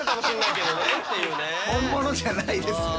本物じゃないですよ。